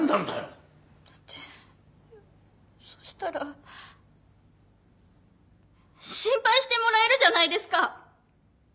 だってそしたら心配してもらえるじゃないですか。